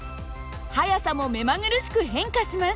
速さも目まぐるしく変化します。